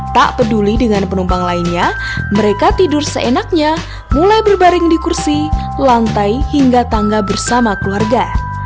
tak peduli dengan penumpang lainnya mereka tidur seenaknya mulai berbaring di kursi lantai hingga tangga bersama keluarga